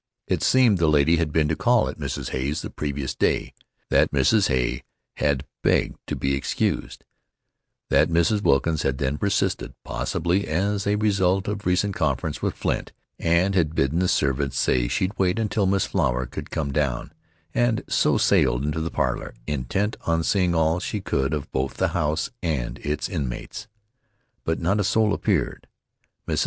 It seems the lady had been to call at Mrs. Hay's the previous day that Mrs. Hay had begged to be excused, that Mrs. Wilkins had then persisted, possibly as a result of recent conference with Flint, and had bidden the servant say she'd wait until Miss Flower could come down, and so sailed on into the parlor, intent on seeing all she could of both the house and its inmates. But not a soul appeared. Mrs.